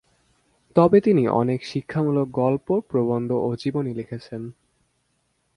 তবে তিনি অনেক শিক্ষামূলক গল্প, প্রবন্ধ ও জীবনী লিখেছেন।